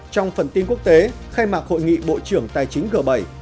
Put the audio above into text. trong phần tin quốc tế khai mạc hội nghị bộ trưởng tài chính g bảy